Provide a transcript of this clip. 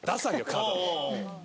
カードを。